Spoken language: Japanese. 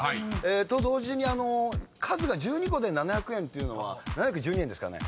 と同時に数が１２個で７００円っていうのは７１２円ですかね。